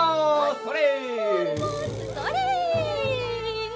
それ！